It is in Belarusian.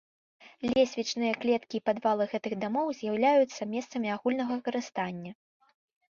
Лесвічныя клеткі і падвалы гэтых дамоў з'яўляюцца месцамі агульнага карыстання.